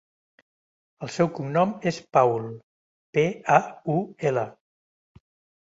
El seu cognom és Paul: pe, a, u, ela.